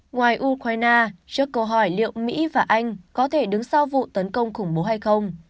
ngoài ukraine trước câu hỏi liệu mỹ và anh có thể đứng sau vụ tấn công khủng bố hay không